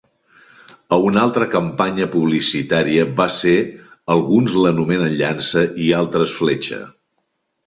A una altra campanya publicitària va ser "alguns l'anomenen llança i d'altres fletxa".